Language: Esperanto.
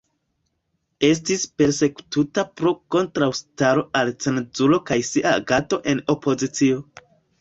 Estis persekutata pro kontraŭstaro al cenzuro kaj sia agado en opozicio.